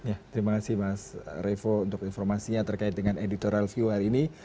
ya terima kasih mas revo untuk informasinya terkait dengan editorial view hari ini